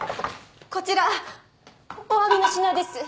こちらお詫びの品です。